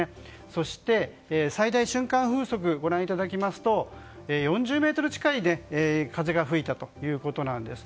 そして、最大瞬間風速をご覧いただきますと４０メートル近い風が吹いたということです。